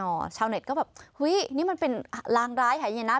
ออกหนอชาวเน็ตก็แบบอุ๊ยนี่มันเป็นล้างร้ายหายเย็นนะ